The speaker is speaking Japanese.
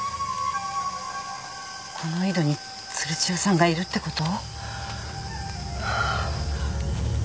この井戸に鶴千代さんがいるってこと？